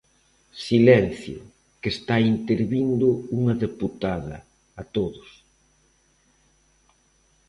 Silencio, que está intervindo unha deputada; a todos.